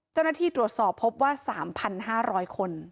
เจ้าหน้าที่ตรวจสอบพบว่า๓๕๐๐คน